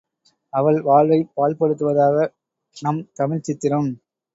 அவள் வாழ்வைப் பாழ்படுத்துவதாக நம் தமிழ்ச் சித்திரம்.